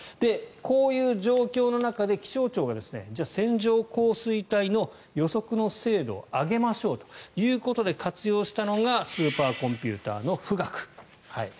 こういう状況の中で気象庁が線状降水帯の予測の精度を上げましょうということで活用したのがスーパーコンピューターの富岳。